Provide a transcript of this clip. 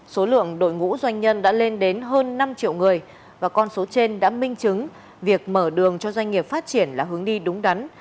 số lượng đội ngũ doanh nhân đã lên đến hơn năm triệu người và con số trên đã minh chứng việc mở đường cho doanh nghiệp phát triển là hướng đi đúng đắn